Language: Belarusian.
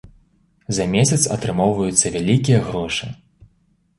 За месяц атрымоўваюцца вялікія грошы.